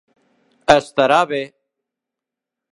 Estarà bé.